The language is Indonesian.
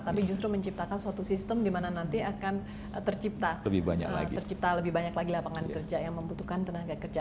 tapi justru menciptakan suatu sistem di mana nanti akan tercipta lebih banyak lagi lapangan kerja yang membutuhkan tenaga kerja